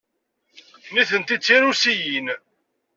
Nitenti d Tirusiyin.